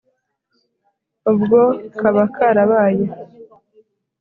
ubwo kaba karabaye